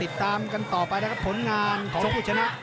อีกก็ลงไปนะคะผลงานของผู้ชนะ